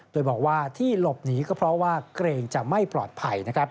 โดยบอกว่าที่หลบหนีก็เพราะว่าเกรงจะไม่ปลอดภัย